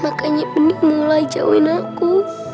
makanya benih mulai jauhin aku